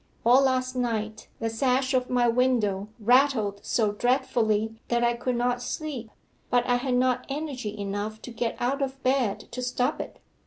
All last night the sash of my window rattled so dreadfully that I could not sleep, but I had not energy enough to get out of bed to stop it.